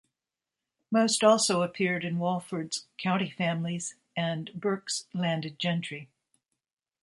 Most also appeared in Walford's "County Families" and Burke's "Landed Gentry".